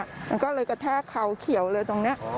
มันก็เลยกระแทกเขาเขียวเลยตรงนี้